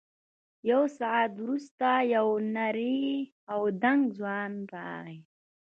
یو ساعت وروسته یو نری او دنګ ځوان راغی.